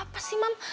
apa sih mam